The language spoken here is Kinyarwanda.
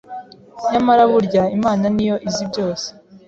nyamara burya Imana niyo izi byose